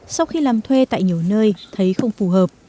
sau khi làm thuê tại nhiều nơi thấy không phù hợp